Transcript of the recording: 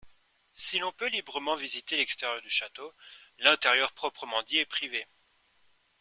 Si l'on peut librement visiter l'extérieur du château, l'intérieur proprement dit est privé.